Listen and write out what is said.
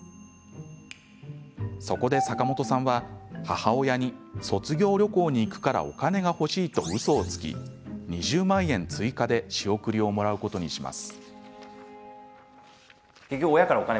そこで坂本さんは母親に卒業旅行に行くからお金が欲しいと、うそをつき２０万円追加で仕送りをもらうことにします。